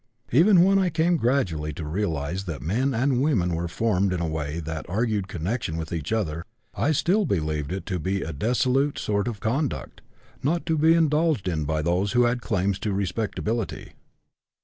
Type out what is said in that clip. Even when I came gradually to realize that men and women were formed in a way that argued connection with each other, I still believed it to be a dissolute sort of conduct, not to be indulged in by those who had claims to respectability.